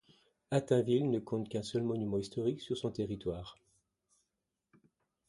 Attainville ne compte qu'un seul monument historique sur son territoire.